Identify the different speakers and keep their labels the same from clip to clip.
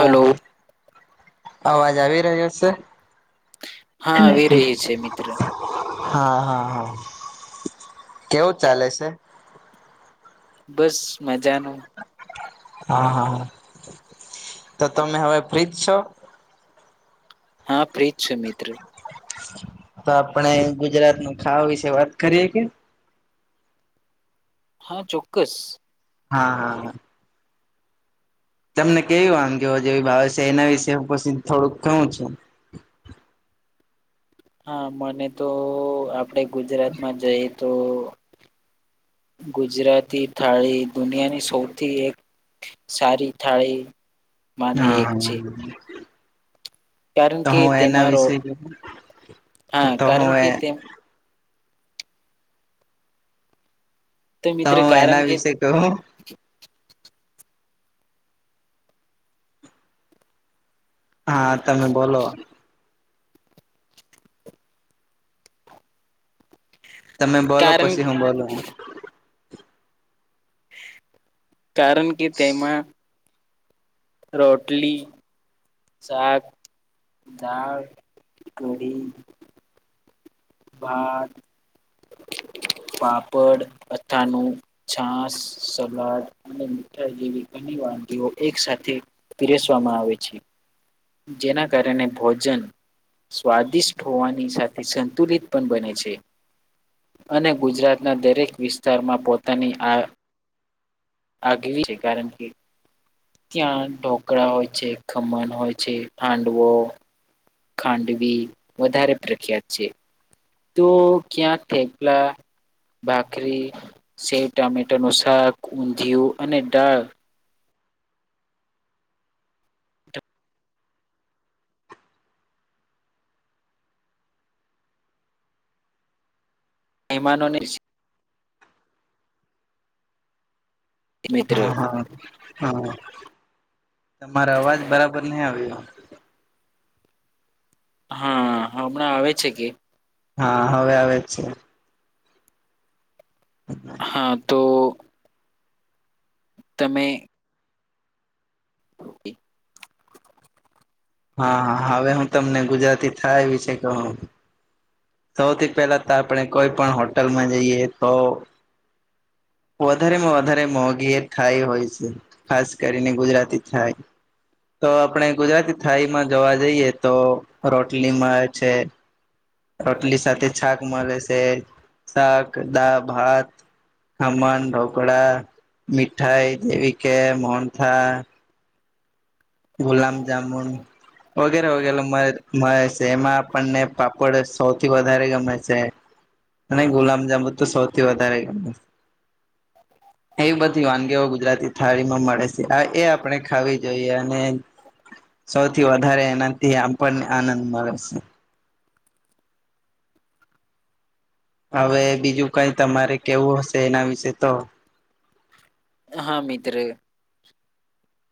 Speaker 1: ઓહ અવાજ આવી રહ્યો છે
Speaker 2: હા આવી રહી છે મિત્રો
Speaker 1: હા હા હા કેવું ચાલે છે
Speaker 2: બસ મજાનું
Speaker 1: હા હા તો તમે હવે ફ્રીજ છો
Speaker 2: હા પ્રીત છે મિત્ર
Speaker 1: તો આપણે ગુજરાત ન ખાવા વિશે વાત કરીએ કે
Speaker 2: હા ચોક્કસ
Speaker 1: હા હા હા તમને કેવી વાગીઓ જેવી ભાવ છે એના વિશે પછી થોડુંક કઉું છે [inaudible]
Speaker 2: હા મને તો આપડે ગુજરાતમાં જઈએ તો ગુજરાતી થાળી દુનિયાની સૌથી એક સારીી થળિ
Speaker 1: હા હા
Speaker 2: કારણ
Speaker 1: તો
Speaker 2: કે
Speaker 1: હું એના
Speaker 2: તેમાંરો
Speaker 1: વિશે
Speaker 2: હા
Speaker 1: તો
Speaker 2: કારણ
Speaker 1: હું એ
Speaker 2: કે તેમ તો મિત્ર
Speaker 1: તોું
Speaker 2: કારણ
Speaker 1: એના
Speaker 2: કે
Speaker 1: વિશે કું હા તમે બોલો તમે બોલો
Speaker 2: કારણ
Speaker 1: પછી હું બોલો
Speaker 2: કારણ કે તેમાં રોટલી સાાક દાળ કઢડી ભત
Speaker 1: હ [inaudible]
Speaker 2: પાપડ અથાણું છાસ સલાદ અને મીઠાઈ જેવી ઘણી વા ી એક સાથે પીરેસવામાં આવે છે જેના કારણે ભોજન સ્વાદિષ્ટ હોવાની સાથે સંતુલિત પણ બને છે અને ગુજરાતના દરેક વિસ્તારમાં પોતાની આ આગવી છે કારણ કે ત્યાં ઢોકળા હોય છે ખમણ હોય છે હાડવો ખાંડવી વધારે પ્રખ્યાત છે તું ક્યાંક થ પલા ભાખરી શેવ ટામેટાનુંશાક ઊંધિયુ અને દાળ મહેમાનોને મિત્ર
Speaker 1: હા હા હા. તમારો અવાજ બરાબર નહી આવ્યો.
Speaker 2: હા હમણાં આવે છે, કે.
Speaker 1: હા હવે આવે જ છે.
Speaker 2: હા તો. તમે. ઓકેકે [unintelligible]
Speaker 1: હા હા હવે હું તમને ગુજરાતી થાય વિશે કહું. સૌથી પહેલા તો આપણે કોઈ પણ હોટલમાં જઈએ તો. વધારે માં વધારે મોંઘી એ થાય હોય છે, ખાસ કરીને ગુજરાતી થાય. તો આપણે ગુજરાતી થાઈમાં જોવા જઈએ તો રોટલીમાં છે. રોટલી સાથે છાક માગે છે, શાક દા ભાત. ખમન ઢોકળા મીઠાઈ જેવી કે મોનથા. ગુલાબ જામન વગેરે વગેરે [unintelligible] મળે છે, એમાં આપણને પાપડ સૌથી વધારે ગમે છે. [inaudible] એવી બધી વાનગીઓ ગુજરાતી થાળી માં મળે છે, આ એ આપણે ખાવી જોઈએ. સૌથી વધારે એનાથી આમ પણને આનંદ મળે છે. હવે બીજું કઈ તમારે કેવું હશે એના વિશે તો
Speaker 2: હા.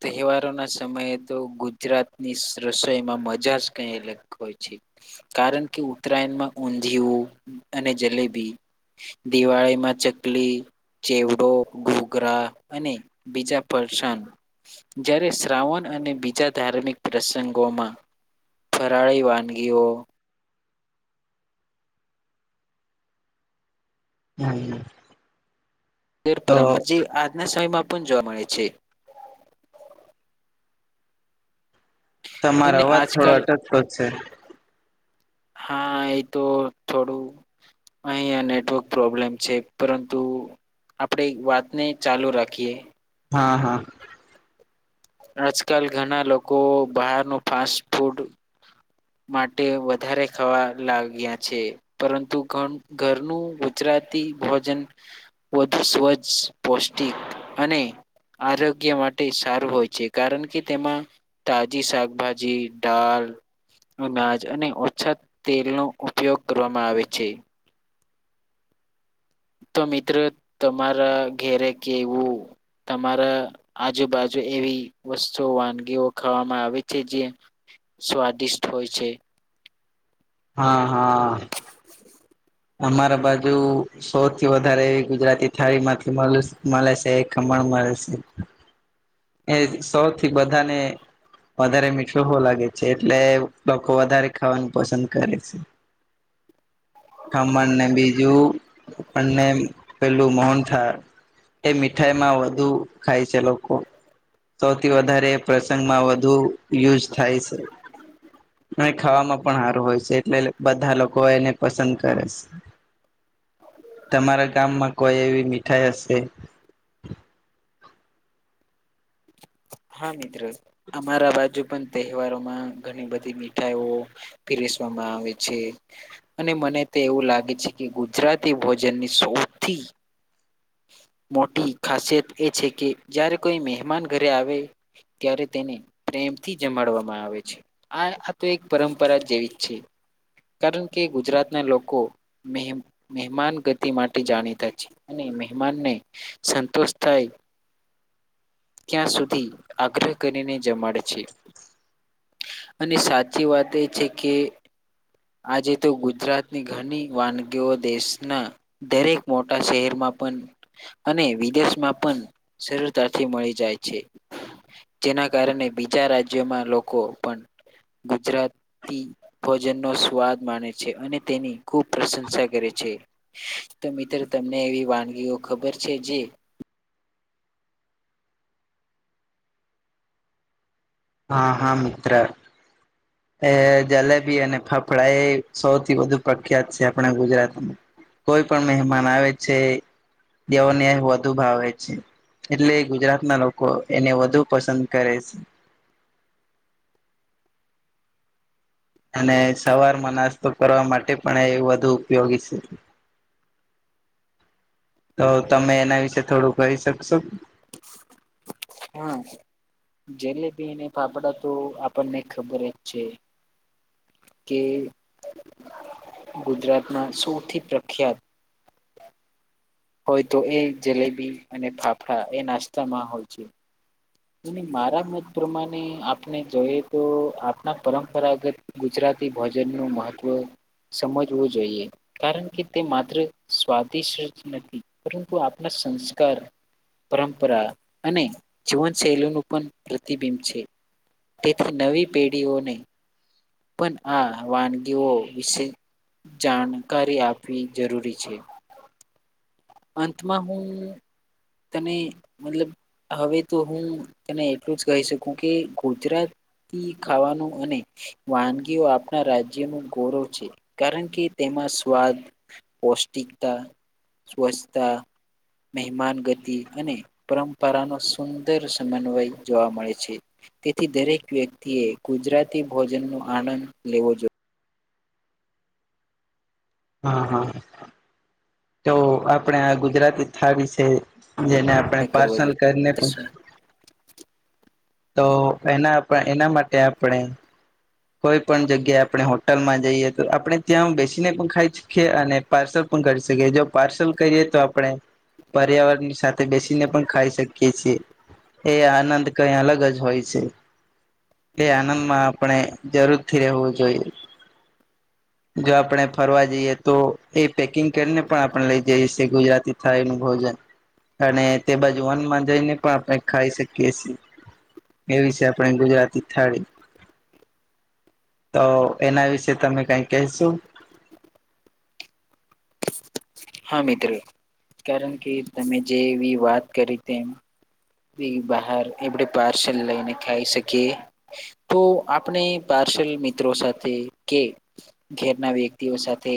Speaker 2: તહેવારો ના સમયે તો ગુજરાતની રસોઈમાં મજા જ કઈ અલગ હોય છે. કારણ કે ઉત્તરાયણમાં ઊંધીયું અને જલેબી દિવાળી માં ચકલી ચેવડો ઘોગરા અને બીજા પરસાન જ્યારે શ્રાવણ અને બીજા ધાર્મિક પ્રસંગોમાં ફરાળી વાનગીઓ
Speaker 1: હમ્મ.
Speaker 2: તેર પરંપરા જે આજના સમયમાં પણ જોવા મળે છે.
Speaker 1: તમારો
Speaker 2: અને
Speaker 1: અવાજ થોડો
Speaker 2: આજકાલ
Speaker 1: અટચતો છે.
Speaker 2: હા એ તો થોડું અહીં નેટવર્ક પ્રોબ્લેમ છે, પરંતુ આપણે વાતને ચાલુ રાખીએ.
Speaker 1: હા હા.
Speaker 2: આજકાલ ઘણા લોકો બહાર ન ફાસ્ટ ફૂડ માટે વધારે ખાવા લાગ્યા છે, પરંતુ [unintelligible] ઘરનું ગુજરાત ભોજન વધુ સ્વસ્થ પૌષ્ટિક અને આરોગ્ય માટે સારું હોય છે, કારણ કે તેમાં તાજી શાકભાજી દાળ અનાજ અને ઓછા તેલનો ઉપયોગ કરવામાં આવે છે. તો મિત્રો તમારા ઘરે કેવું તમારા આજુબાજુ એવી વસ્તુઓ વાનગીઓ ખાવામાં આવે છે, જે સ્વાદિષ્ટ હોય છે.
Speaker 1: હા હા. અમારા બાજુ સૌથી વધારે એવી ગુજરાતી થાળી માંથી મળે છે, ખમણ મળ છે, એ સૌથી બધાને વધારે મીઠો હોવ લાગે છે, એટલે લોકો વધારે ખાવાનું પસંદ કરે છે. [inaudible] ખમણને બીજુંને પેલું [unintelligible] થાય એ મીઠાઈ માં વધુ ખાય છે, લોકો સૌથી વધારે પ્રસંગમાં વધુ યુઝ થાય છે, અને ખાવામાં પણ સારું હોય છે, એટલે બધા લોકો એને પસંદ કરે છે. તમારા ગામમાં કોઈ એવી મીઠાઈ હશે [inaudible]
Speaker 2: હા મિત્રો અમારા બાજુ પણ તહેવારોમાં ઘણી બધી મીઠાઈઓ પીરેસવા વામે છે, અને મને તો એવું લાગે છે, કે ગુજરાતી ભોજનની સૌથી મોટી ખાસિયત એ છે, કે જારે કોઈ મહેમાન ઘરે આવે ત્યારે તેને પ્રેમથી જમાડવામાં આવે છે, આ આ તો એક પરંપરા જેવી જ છે. કારણ કે ગુજરાતના લોકો મહે મેહમાન ગતિ માટે જાણીતા છે, અને મહેમાનને સંતોષ થાય ત્યાં સુધી આગ્રહ કરીને જમાડે છે. અને સાચી વાત એ છે, કે આજે તો ગુજરાતની ઘણી વાનગીઓ દેશના દરેક મોટા શહેરમાં પણ અને વિદેશમાં પણ સરળતાથી મળી જાય છે. જેના કારણે બીજા રાજ્યોમાં લોકો પણ ગુજરાતી ભોજનનો સ્વાદ માને છે, અને તેની ખુબ પ્રશંસા કરે છે, તો મિત્રો તમને એવી વાનગીઓ ખબર છે? જે
Speaker 1: હા હા મિત્ર એ જલેબી અને ફફડા એ સૌથી વધુ પ્રખ્યાત છે, આપણા ગુજરાતમાં કોઈ પણ મહેમાન આવે છે, દેવોને વધુ ભાવે છે. એટલે ગુજરાતના લોકો એને વધુ પસંદ કરે છે. અને સવારમાં નાસ્તો કરવા માટે પણ એ વધુ ઉપયોગી છે. તો તમે એના વિશે થોડું કરી શકશો?
Speaker 2: હા. જલેબી અને ફાફડાતો આપણને ખબર જ છે. કે ગુજરાતના સૌથી પ્રખ્યાત
Speaker 1: [inaudible]
Speaker 2: હોય તો એ જલેબી અને ફાફડા એ નાસ્તામાં હોય છે. મારા મત પ્રમાણે આપને જોઈએ તો આપણા પરંપરાગત ગુજરાત તી ભોજન નું મહત્વ સમજવું જોઈએ કારણ કે, તે માત્ર સ્વાદિષ્ટ જ નથી પરંતુ આપણા સંસ્કાર પરંપરા અને જીવન સેલુનું પણ પ્રતિબિંબ છે, તેથી નવી પેઢીઓને પણ આ વાનગીઓ વિશે જાણકારી આપવી જરૂરી છે. અંતમાં હું તને મતલબ હવે તો હું તને એટલું જ કહી શકું કે ગુજરાત તી ખાવાનું અને વાનગીઓ આપણા રાજ્યનું ગૌરવ છે, કારણ કે તેમ મા સ્વાદ, પૌષ્ટિકતા, સ્વચ્છતા મહેમાન ગતિ અને પરંપરાનો સુંદર સમન્વય જોવા મળે છે. તેથી દરેક વ્યક્તિએ ગુજરાતી ભોજનનો આનંદ લેવો જો
Speaker 1: હા હા તો આપણે આ ગુજરાતી થાળ વિશે જેને આપણે
Speaker 2: કરવો
Speaker 1: પાર્સલ કરીને
Speaker 2: જોઈએ
Speaker 1: પણ
Speaker 2: શું
Speaker 1: તો એના એના માટે આપણે કોઈ પણ જગ્યા આપણે હોટલમાં જઈએ તો આપણે ત્યાં બેસીને પણ ખાઈ શકીએ અને પાર્સલ પણ કરી શકીએ જો પાર્સલ કરીએ તો આપણે પર્યાવરણની સાથે બેસીને પણ ખાઈ શકીએ છીએ. એ આનંદ કઈ અલગ જ હોય છે. જરૂરથી રહેવું જોઈએ. જો આપણે ફરવા જઈએ તો એ પેકિંગ કરીને પણ આપણે લઇ જાય ગુજરાતી થાળીનુ ભોજન અને તે બાજુ વનમાં જઈને પણ આપણે ખાઈ શકીએ છીએ એવી છે, આપણી ગુજરાતી થાળી તો એના વિશે તમે કઈ કહેશુ? [inaudible]
Speaker 2: હા મિત્રો, કારણ કે તમે જે એવી વાત કરી તેમ બહાર એડ પાર્સલ લઈને ખાઈ શકીએ તો આપણે પા સલ મિત્રો સાથે કે ઘરના વ્યક્તિઓ સાથે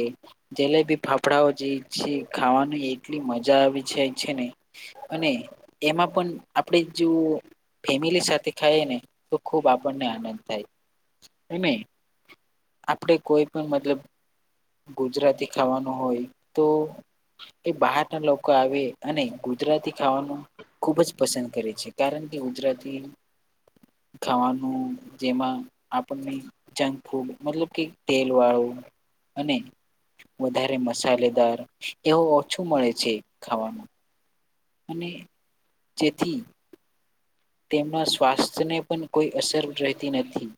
Speaker 2: જલેબી ફાફડાઓ જે છે ખાવાની એટલી મજા આવી જા છે ને અને એમાં પણ આપણે જો ફેમિલી સાથે ખાઈ ને તો ખુબ આપણને આનંદ થાય. એ નહી આપણે કોઈ પણ મતલબ ગુજરાતી ખાવાનું હોય તો એ બહાર ના લોકો આવે અને ગુજરાતી ખાવાનું ખુબ જ પસંદ કરે છે, કારણ કે ગુજરાતી ખાવાનું જેમાં આપણને જંક ફૂડ મતલબ કે તેલ વાળું અને વધારે મસાલેદાર એવું ઓછું મળે છે ખાવામાં. અને જેથી તેમના સ્વાસ્થ્યને પણ કોઈ અસર રહેતી નથી.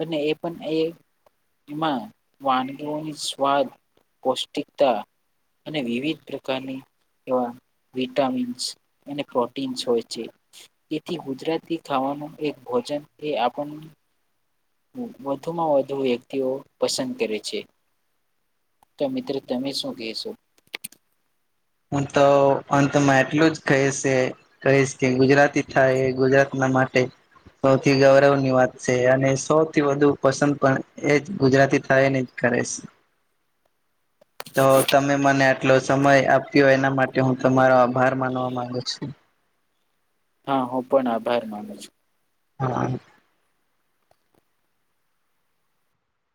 Speaker 2: અને એ પણ એ એમાં વાનગીઓની સ્વાદ, પૌષ્ટિકતા અને વિવિધ પ્રકારની એવા વિટામિન્સ એને પ્રોટીન્સ હોય છે. તેથી ગુજરાતી ખાવાનું એક ભોજન એ આપણન વધુમાં વધુ વ્યક્તિઓ પસંદ કરે છે. તો મિત્રો તમે શું કહેશો?
Speaker 1: હું તો અંતમાં એટલું જ કહીશે કહીશ કે ગુજરાતી થાય ગુજરાતમાં માટે સૌથી ગૌરવ ની વાત છે અને સૌથી વધુ પસંદ પણ એજ ગુજરાતી થાય ને કરેશ. તો તમે મને આટલો સમય આપ્યો એના માટે હું તમારો આભાર માનવા માંગુ છું.
Speaker 2: હા, હું પણ આભાર માનું છું.
Speaker 1: હા.